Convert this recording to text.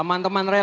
orang yang terkenal